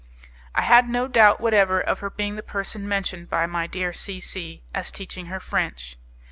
I had no doubt whatever of her being the person mentioned by my dear C C as teaching her French.